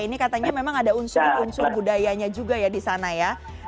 ini katanya memang ada unsur unsur budayanya juga ya di sana ya